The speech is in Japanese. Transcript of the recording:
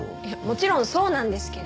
もちろんそうなんですけど。